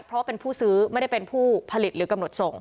เพราะเป็นผู้ซื้อไม่ได้เป็นผู้ผลิตหรือกำหนดส่ง